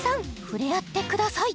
触れ合ってください